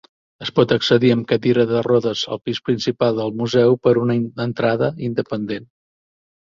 Es pot accedir amb cadira de rodes al pis principal del museu per una entrada independent.